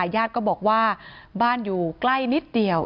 ญาติก็บอกว่าบ้านอยู่ใกล้นิดเดียว